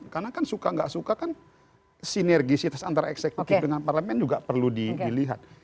karena kan suka tidak suka kan sinergisitas antara eksekutif dengan parlemen juga perlu dilihat